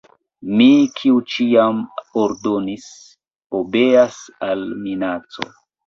Mi, kiu ĉiam ordonis, obeas al minaco.